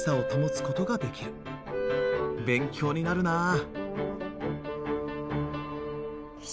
勉強になるなあ！